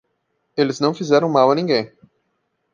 Eles não fizeram mal a ninguém.